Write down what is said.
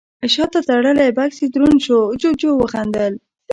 شاته تړلی بکس يې دروند شو، جُوجُو وخندل: